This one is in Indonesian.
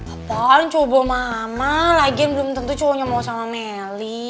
apaan cowok bawa mama lagian belum tentu cowoknya mau sama meli